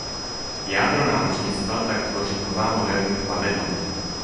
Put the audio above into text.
Jádro námořnictva tak tvoří nová moderní plavidla.